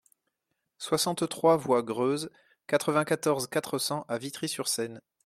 soixante-trois voie Greuze, quatre-vingt-quatorze, quatre cents à Vitry-sur-Seine